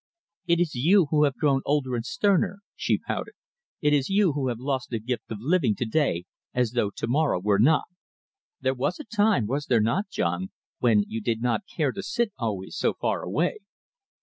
"It is you who have grown older and sterner," she pouted. "It is you who have lost the gift of living to day as though to morrow were not. There was a time, was there not, John, when you did not care to sit always so far away?"